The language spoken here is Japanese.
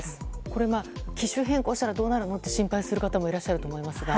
これ機種変更したらどうなるの？って心配する方もいらっしゃると思いますが。